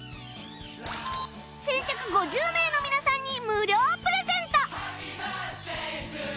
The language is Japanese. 先着５０名の皆さんに無料プレゼント！